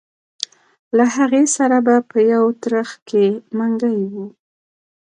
له هغې سره به په یو ترخ کې منګی و.